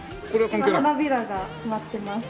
今花びらが舞ってます。